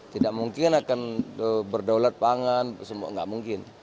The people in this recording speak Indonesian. tidak mungkin akan berdaulat pangan semua nggak mungkin